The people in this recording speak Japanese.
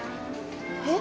えっ？